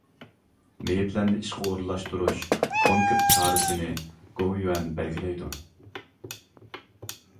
مېيىپلەرنى ئىشقا ئورۇنلاشتۇرۇش كونكرېت چارىسىنى گوۋۇيۈەن بەلگىلەيدۇ.